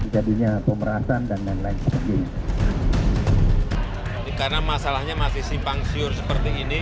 saya juga sangat yakin kalau ada yang siur seperti ini